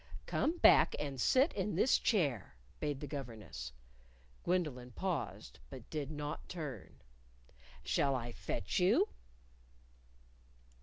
"Come back and sit in this chair," bade the governess. Gwendolyn paused, but did not turn. "Shall I fetch you?"